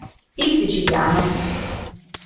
Il siciliano